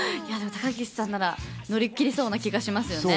高岸さんなら乗り切れそうな気がしますね。